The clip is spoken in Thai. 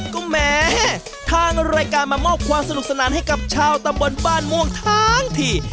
ก็แหมทางรายการมามอบความสนุกสนานให้กับชาวตะบนบ้านม่วงทั้งที